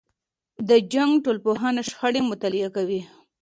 د جنګ ټولنپوهنه شخړې مطالعه کوي.